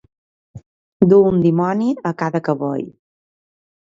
Dur un dimoni a cada cabell.